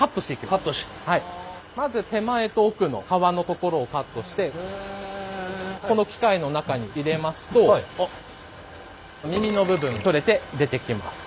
まず手前と奥の皮のところをカットしてこの機械の中に入れますと耳の部分取れて出てきます。